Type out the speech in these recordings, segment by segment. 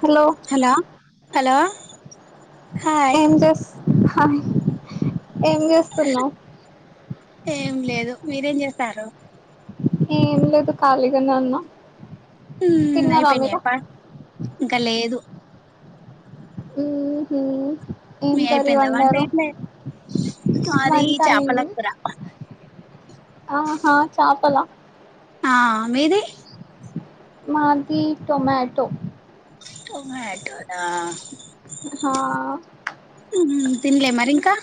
Hello hello hello hi ఏం చేస్త్ hi ఏం చేస్తున్నావు ఏం లేదు మీరేం చేస్తారు ఏం లేదు ఖాళీగానే వున్నా ఊ అయిపోయిన పా ఇంకా లేదు ఉహూ ఏం మీ కర్రీ అయిపోయిందా వంట వండారు ఇట్లే మాది వంట చేపల అయింది కూర ఆహా చాపల ఆ మీది మాది టొమాటో టమోటోనా హా తిన్లే మరి ఇంకా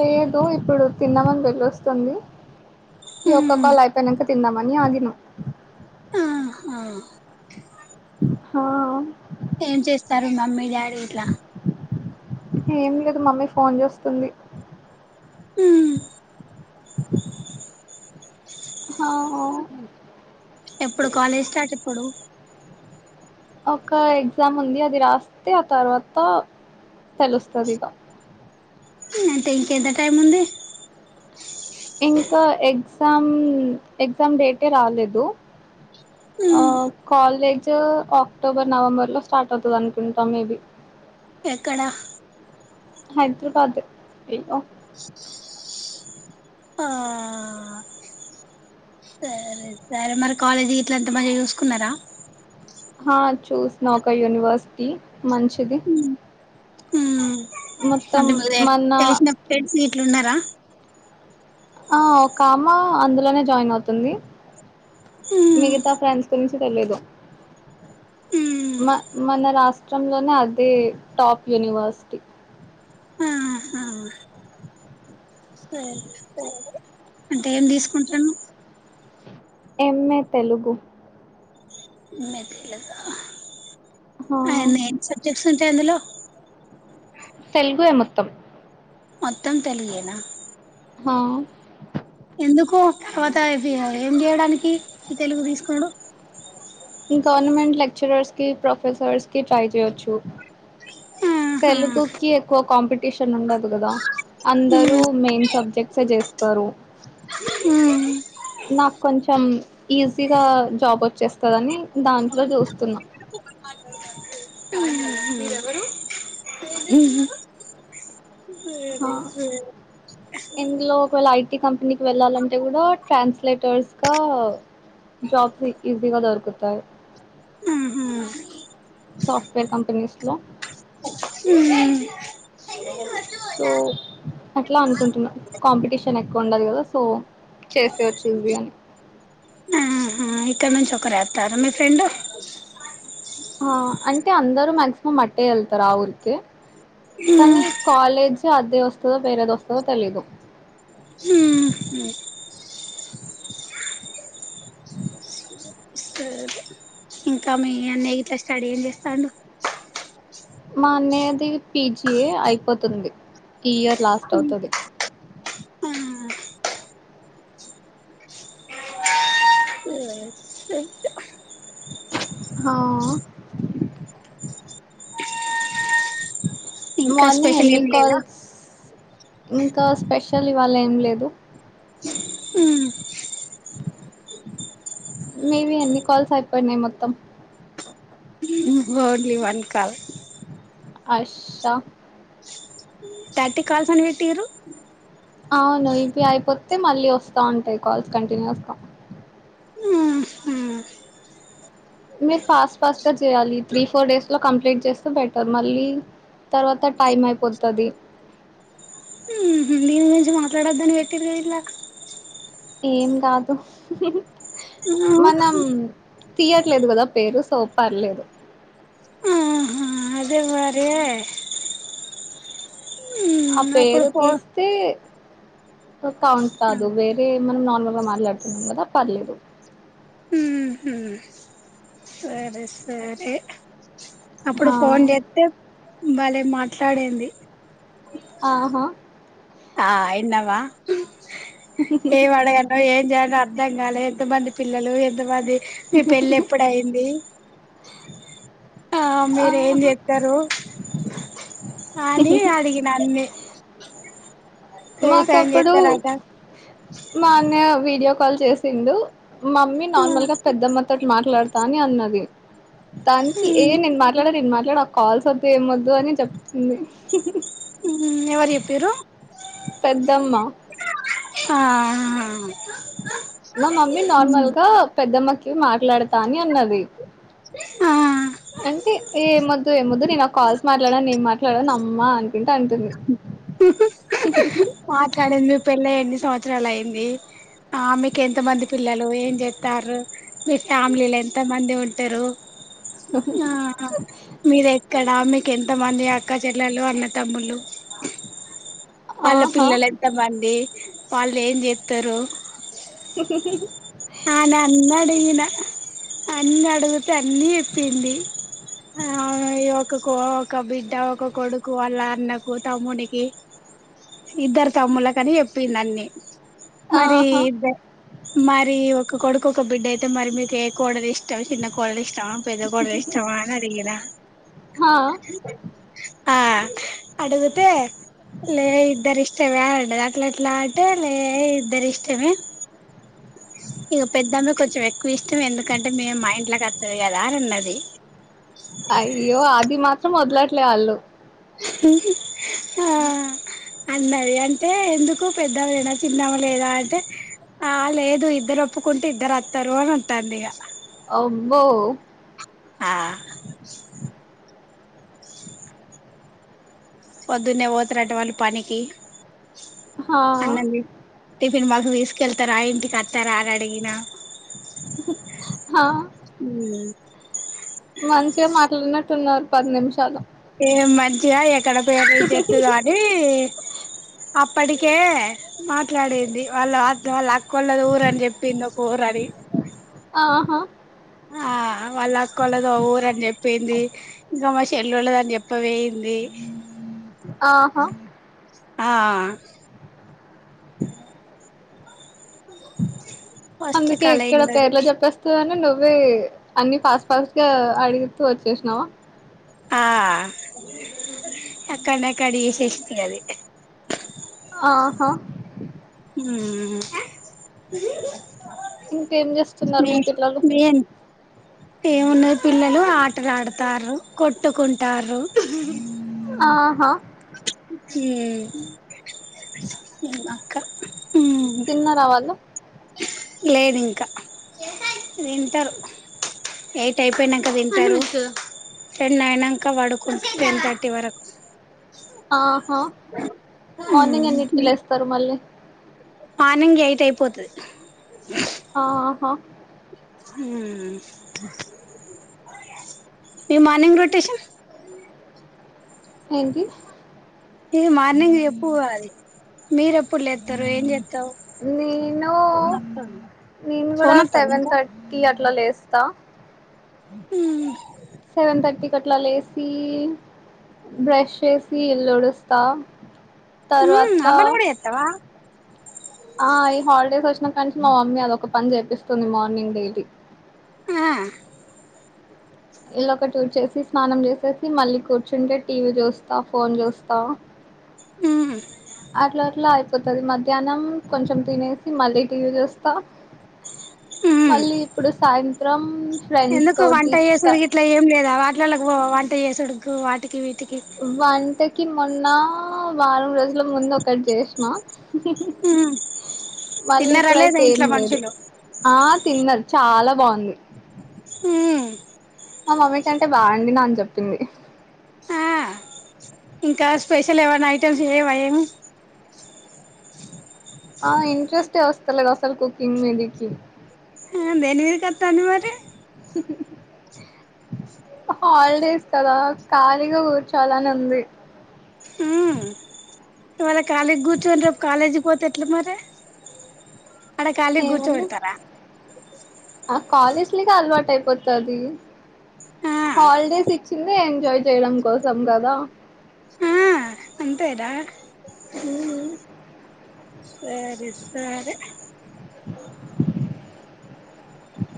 లేదు ఇప్పుడు తిన్నామని వెళ్ళొస్తుంది ఈ ఒక్క మ్మ్ కాల్ అయిపోయినంక తిందామని ఆగిన హా హా ఏం చేస్తారు మమ్మీ డాడీ ఇట్లా ఏం లేదు మమ్మీ ఫోన్ జుస్తుంది హ్మ్ హా ఎప్పుడు కాలేజ్ స్టార్ట్ ఎప్పుడు ఒక ఎగ్జామ్ ఉంది అది రాస్తే ఆ తర్వాత తెలుస్తది ఇగ హ్మ్ అంటె ఇంక ఎంత టైముంది ఇంకా ఎగ్జామ్ ఎగ్జామ్ డేటే రాలేదు ఆ మ్మ్ కాలేజ్ వో అక్టోబర్ నవంబర్ లో స్టార్ట్ అవుతది అనుకుంటా మేబి ఎక్కడ హైద్రబాద్ ఎ ఓ [unintelligible] ఆ సరే సరే మరి కాలేజీ ఇట్లంత తమంచిగా చూసుకున్నరా హ చూసిన ఒక యూనివర్సిటీ మంచిది మ్మ్ మ్మ్ మొత్తం మన్న అట్లున్నరా ఆ ఒక ఆమ అందులోనే జాయిన్ అవుతుంది ఉమ్ మిగతా ఫ్రెండ్స్ గురించి తెలీదు ఉమ్ మ మన రాస్ చం లోనే అది టాప్ యూనివర్సిటీ ఆ--హా సరే సరే అంటే ఏం తీసుకుంటన్నవ్ ఎంఏ తెలుగు ఏం ఏ తెలుగా హా ఆయన ఏం సబ్జెక్ట్స్ ఉంట [inaudible] తెలుగు ఎ మొత్తం మొత్తం తెలుగే నా హ ఎందుకు తర్వాత ఇవి ఏం జేయడానికి ఇ తెలుగు తీసుకునుడు ఇ గవర్నమెంట్ లెక్చరర్స్ కి ప్రొఫెసర్స్ కి ట్రై చేయొచ్చు ఆహా తెలుగుకి ఎక్కువ కాంపిటీషన్ ఉండదు గదా ఉమ్ అందరూ మెయిన్ సబ్జెక్ట్సే జేస్తరు హ్మ్ నాక్ కొంచెం ఈజీగా జాబ్ వచ్చేస్తదని దాంట్లో జుస్తున్న [inaudible] మ్ హు హా సరే సరే ఇందులో ఒకవేళ ఐటీ కంపెనీకి వెళ్ళాలంటే గుడా ట్రాన్స్లేటర్స్ గ జాబ్స్ ఈజీగా దొరుకుతాయి మ్మ్ హ్మ్ సాఫ్ట్వేర్ కంపెనీస్లో సో అట్లా అనుకుంటున్నా కాంపిటీషన్ ఎక్కువ ఉండదు కదా సో చేసేయి వచ్చు ఈసీ అని ఆ ఇక్కడ నుంచి ఒకరు ఎస్తారు మీ ఫ్రెండు ఆ అంటే అందరూ మాక్సిమం అట్టే వెళ్తారు ఆ ఊరికే ఉమ్ కానీ కాలేజ్ అదే వస్తుందో వేరేది వస్తదో తెలిదు హ్మ్ సరే ఇంకా మీ అన్నీ ఇట్లా స్టడీ ఏం చేస్తాండు మా అన్నయ్యది పీజి ఏ అయిపోతుంది ఈ ఇయర్ లాస్ట్ అవుతది హా ఇంకా మార్నింగ్ స్పెషల్ ఎన్ని ఏం లేదా కాల్స్ ఇంకా స్పెషల్ ఇవాళ ఏం లేదు మ్మ్ మే బి అన్ని కాల్స్ అయిపోయినాయి మొత్తం only one call Asha thirty calls అని వెటిరు అవును ఇవి అయిపోతే మళ్ళీ వస్తా ఉంటాయి కాల్స్ కంటిన్యూస్గా ఆ హా మీరు ఫాస్ట్ ఫాస్ట్ గా చేయాలి త్రీ ఫోర్ డేస్ లో కంప్లీట్ చేస్తే బెటర్ మళ్ళీ తర్వాత టైం అయిపోతది మ్మ్ హ్మ్ దీని గురించి మాట్లాడొదు అని పెట్టిరుగా ఇందాక ఏం కాదు హా మనం తీయట్లేదు కదా పేరు సో పర్లేదు ఆహా అదే మరే ఆ అప్పుడు పేరు పో తీస్తే కౌంట్ కాదు వేరే మనం నార్మల్ గా మాట్లాడుతున్నాం కదా పర్లేదు మ్మ్ హ్మ్ సరే సరే అప్పుడు హా ఫోన్ చేస్తే బలే మాట్లాడింది ఆహా ఆ విన్నావా ఏ వాడగను ఏం జాయిన్ అర్ధం కాల ఎంత మంది పిల్లలు ఎంతమంది మీ పెళ్లి ఎప్పుడు అయింది ఆ మీరు ఏం ఆహా చెప్పతారు నా నీ అడిగిన్న అన్ని వ్యవసాయం మాకప్పుడు చేస్తారట మా అన్నయ వీడియో కాల్ చేసిండు మా మమ్మీ ఆ నార్మల్ గా పెద్దమ్మతోటి మాట్లాడతా అని అన్నది దానికి ఏ ఉమ్ నేను మాట్లాడ నేను మాట్లాడ ఆ కాల్స్ వదు ఏమ వద్దు అని చెప్తుంది ఎవరు చెపిరు పెద్దమ్మ అ మా మమ్మీ నార్మల్ గా పెద్దమ్మకి మాట్లాడతా అని అన్నది ఆ అంటే ఏం వొద్దు ఏమొద్దు నేను నా కాల్స్ మాట్లాడా నేం మాట్లా ఇలాడ నమ్మా అనుకుంటా అంటుంది మాట్లాడంది పెళ్లై ఎన్ని సంవత్సరాలు అయింది. ఆమెకి ఎంత మంది పిల్లలూ ఏం చేత్తార్రు మీ ఫ్యామిలీలో ఎంత మంది ఉంట్ టరూ ఆ మీదెక్కడా మీక్ ఎంత మంది అక్కా చెల్లెళ్ళు అన్నా తమ్ముళ్ళు. వాళ్ళ ఆహా పిల్లల్ ఎంత మందీ వాళ్ళు ఏం చేత్తరూ. స ఆని అన్ని అడిగిన అన్ని అడుగుతే అన్నీ చెప్పిందీ. ఆ అవును ఇఓ ఒకకో ఒక బిడ్డా ఒక కొడుకూ వాళ్ళ అన్నకు తమ్మునికీ. ఇద్దర్ తమ్ముళ్ళకనీ చెప్పింది అన్ని. మరీ ఆహా ఇద్ద మరీ ఒక కొడుకు ఒక బిడ్డైయితే మరి మీకు ఏ కొడలు ఇష్ట్ ష్టం చిన్న కోడలు ఇష్టమా పెద్ద కోడలు ఇష్టమా అని అడిగినా. హా ఆ అడుగుతే లే ఇద్దరిష్ట్ ష్టమే అన్నది అట్ల ఎట్లా అంటే లే ఇద్దరు ఇష్టమే. ఇగ పెద్దామ్మే కొంచెం ఎక్కువ ఇష్టం ఎందుకంటే మేమ్ మా ఇంట్లోకి వత్తది గదా అని అన్నది. ట్లే అళ్ళు ఆ అన్నది అంటే ఎందుకు పెద్దామేనా చిన్నామే లేదా అంటే. ఆ లేదు ఇద్దరు ఒప్పుకుంటే ఇద్దరు అత్తరూ అని అంటాందిగా. అబ్బో ఆ పొద్దున్నే పొతరటా వాళ్ళు పనికీ. హా టిఫిన్ బాక్సు తీసుకెళ్తరా ఇంటికి అత్తరా అని అడిగినా. హా మంచిగ మాట్లాడినట్టు ఉన్నారు. పది నిమిషాలు. ఏం మంచిగా ఎక్కడ పేరు ఇజ్జత్తు కానీ అప్ ప్పటికే మాట్లాడింది వాళ్ళ అక్ వాళ్ళ అక్కోళ్ళది ఊరని చెప్పింది ఒక ఊరని. ఆహా ఆ వాళ్ళ అక్కోళది ఓ ఊరు అని చెప్పిందీ ఇంకా మా షెళ్ళోలదని చెప్ప వోయిం ఆహా ఆ ఫస్ట్ అందుకే కాల్ ఎక్కడా అయిందది పేర్లు జెప్పేస్తదని నువ్. ఉవ్వే అన్ని ఫాస్ట్ ఫాస్ట్ గా అడిగుతూ వచ్చేశినవా. ఆ అక్కడనే కట్ జేశేశింది అది. ఆహా హ్మూ ఇంకేం చేస్తున్నారు మీ పిల్లలు. మీ ఏమున్నది పిల్లలు ఆటలు ఆడుతార్రు కొట్టుకుంటార్రు. ఆహా హ్మూ [inaudible] అక్కా తిన్నరా వాళ్ళు. లేదు ఇంకా తింటరు. ఎయిట్ అయిపోయినంక తింటరూ. టెన్ అయినంక పడుకుంట టెన్ థర్టీ వరకు. ఆహా మార్నింగ్ ఎన్నిటికి మీ లేస్తరు మళ్ళీ. మార్నింగ్ ఎయిట్ అయిపోతది. ఆహా ఊ ఈ మార్నింగ్ రొటెషన్ ఏంటి ఇది మార్నింగ్ ఎప్పు కోలి మీరు ఎప్పుడు లెత్తరు ఏం చేత్తవ్ నేను ఫోన్ ఒత్తందా ఇంకా అట్ల లేస్తా ఊ సెవెన్ థర్టీకట్లా లేసి బ్రష్ చేసి ఇల్లు ఊడుస్తా తర్వాత ఆ పని కూడా చేత్తవా ఆ ఈ హాలిడేస్ వచ్చినా కాంచి మా మమ్మీ అదొక పని చేపిస్తుంది మార్నింగ్ డైలీ ఆ ఇల్లు ఒకటి ఉర్చేసి స్నానం చేసేసి మళ్ళీ కూర్చుంటే టీవీ చూస్తా ఫోన్ చూస్తా ఉ అట్లట్ల అయిపోతది మధ్యానం కొంచెం తినేసి మళ్ళీ టీవి చూస్తా మళ్ళీ ఇప్పుడు సాయంత్రం ఫ్రెండ్స్ ఎందుకు వంట తోటి క యేసుడు గిట్ల ఏం లేదా వాటిలలకి పోవ వంట యేసుడుకు వాటి వీటికి కి మొన్న వారం రోజుల ముందు ఒకటి చేస్న మళ్ళీ తిన్నరా లేదా ఇప్పుడైతే ఏం ఇంట్లో లేదు మనుషులు ఆ తిన్నది చాలా బాగుంది ఊ మా మమ్మీ కంటే బా వండినా అని చెప్పింది ఆ ఇంకా స్పెషల్ ఏమన్నా ఐటెమ్స్ ఏవ ఏమి ఆ ఇంట్రెస్టే వస్తలే అసలు కుకింగ్ మీదికి దేని మీదకి వత్తాంది మరి హాలిడేస్ కదా ఖాళీగా కూర్చోవాలానీ ఉంది ఊ నువ్వలా కాలిగా కూర్చుని రేపు కాలేజీ పోతే ఎట్ల మరి అడ కాలీగా ఏముంది గూర్చోపెడతార ఆ కాలేజ్ లొ ఐతే అలవాటు అయిపోతది ఆ హాలిడేస్ ఇచ్చింది ఎంజాయ్ చేయడం కోసం కదా ఆ అంతె రా హ్మ్ సరే సరే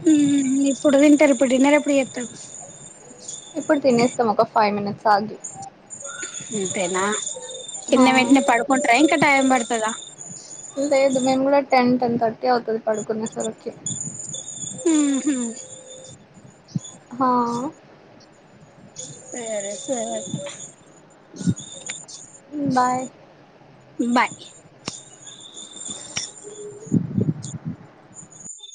ఉ ఇప్పుడు తింటరు ఇప్పుడు డిన్నరు ఎప్పుడు ఎత్తవ్ ఇప్పుడు తినేస్తాం ఒక ఫైవ్ మినిట్స్ ఆగి అంతేనా హా తిన్న వెంటనే పడుకంట్ర ఇంకా టైమ్ పడుతదా లేదు మేము కూడా టెన్ టెన్ థర్టీ అవుతది పడుకునే సర్ కి ఉహు హ సరే స బాయ్ బాయ్ [inaudible]